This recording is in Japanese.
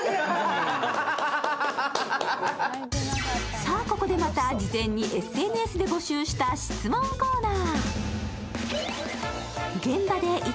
さあ、ここでまた事前にＳＮＳで募集した質問コーナー。